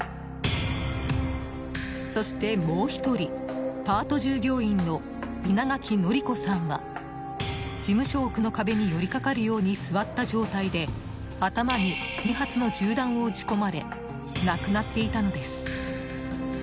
そしてもう１人、パート従業員の稲垣則子さんは事務所奥の壁に寄りかかるように座った状態で頭に２発の銃弾を撃ち込まれ亡くなっていたのです。